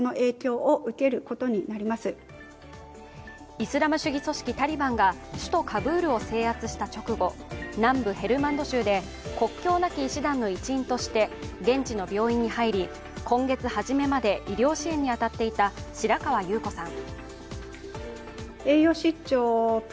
イスラム主義組織タリバンが首都カブールを制圧した直後、南部・ヘルマンド州で国境なき医師団の一員として現地の病院に入り、今月初めまで医療支援に当たっていた白川優子さん。